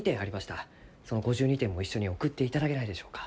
その５２点も一緒に送っていただけないでしょうか？